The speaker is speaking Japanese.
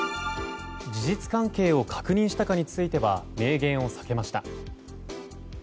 事実関係を確認したかについては明言を避けました。